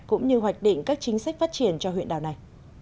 cũng như hoạch định các chính sách phát triển cho huyện đảo này